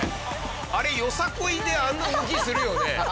あれよさこいであんな動きするよね？